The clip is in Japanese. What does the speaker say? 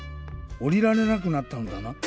おりられなくなったのだな。